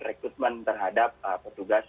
rekrutmen terhadap petugas